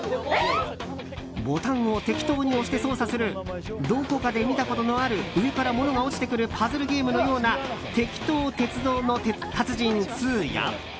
ボタンをてきとに押して操作するどこかで見たことのある上から物が落ちてくるパズルゲームのような「てきと鉄道の達人２」や。